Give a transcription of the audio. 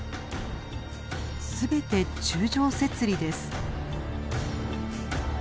全て柱状節理です。